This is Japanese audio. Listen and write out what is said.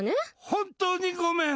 本当にごめん！